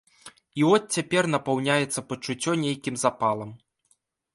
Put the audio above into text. І от цяпер напаўняецца пачуццё нейкім запалам.